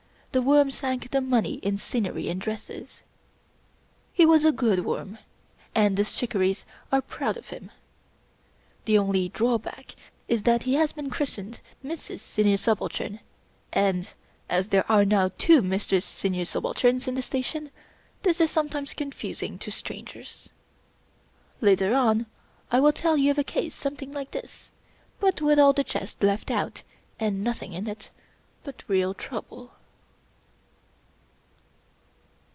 The Worm sank the money in scenery and dresses. He was a good Worm; and the " Shikarris " are proud of him. The only drawback is that he has been christened " Mrs. Senior Subaltern "; and, as there are now two Mrs. Senior Subalterns in the Station, this is sometimes confusing to strangers. Later on, I will tell you of a case something like this, but with all the jest left out and nothing in it but real trouble.